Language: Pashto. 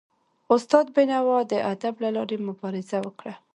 استاد بینوا د ادب له لاري مبارزه وکړه.